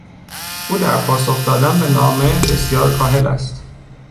او در پاسخ دادن به نامه بسیار کاهل است.